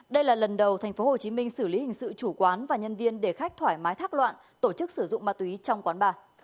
đây là lần đầu tp hồ chí minh xử lý hình sự chủ quán và nhân viên để khách thoải mái thác loạn tổ chức sử dụng ma túy trong quán ba